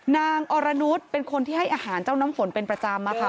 นางอรนุษย์เป็นคนที่ให้อาหารเจ้าน้ำฝนเป็นประจำอะค่ะ